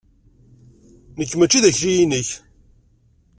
Nekk mačči d akli-inek.